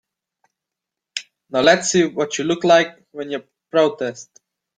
Now let's see what you look like when you protest.